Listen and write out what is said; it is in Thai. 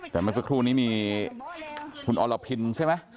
แต่เมื่อสักครู่นี้มีคุณอรพินใช่ไหม